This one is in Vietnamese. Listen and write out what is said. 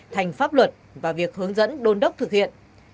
thành pháp luật và việc hướng dẫn đôn đốc thực hiện